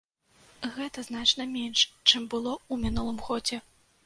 Гэта значна менш, чым было ў мінулым годзе.